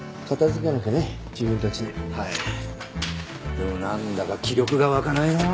でもなんだか気力が湧かないなあ。